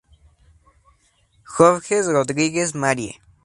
Jorge Rodríguez Marie.